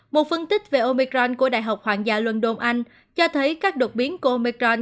một phân tích về omicron của đại học hoàng gia london cho thấy các đột biến của omicron